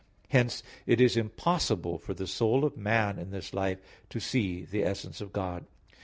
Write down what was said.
Hence it is impossible for the soul of man in this life to see the essence of God.